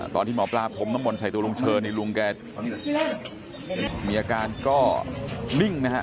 ตอนที่หมอปลาพรมน้ำมนต์ใส่ตัวลุงเชิญนี่ลุงแกมีอาการก็นิ่งนะฮะ